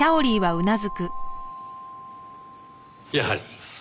やはり。